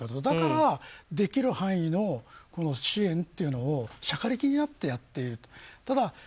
だからできる範囲の支援というのをしゃかりきになってやっている。